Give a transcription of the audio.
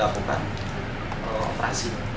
lalu dilakukan operasi